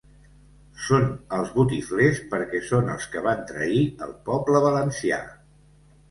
Són els botiflers perquè són els que van trair el poble valencià.